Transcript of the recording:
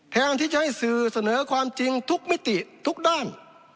แทนที่จะให้สื่อเสนอความจริงทุกมิติทุกด้าน